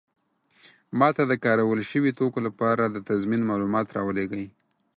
ما ته د کارول شوي توکو لپاره د تضمین معلومات راولیږئ.